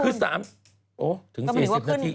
คือสามโอ้ถึงสี่สิบนาที